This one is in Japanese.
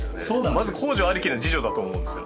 まず公助ありきの自助だと思うんですよ。